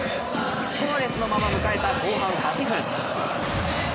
スコアレスのまま迎えた後半８分。